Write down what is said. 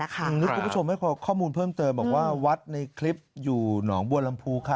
คุณผู้ชมให้ข้อมูลเพิ่มเติมบอกว่าวัดในคลิปอยู่หนองบัวลำพูค่ะ